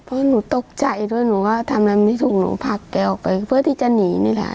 เพราะหนูตกใจด้วยหนูก็ทำแบบนี้ถูกหนูผลักแกออกไปเพื่อที่จะหนีนี่แหละ